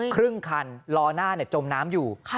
ครึ่งคันล้อหน้าจมน้ำอยู่